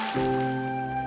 melawan segala rintangan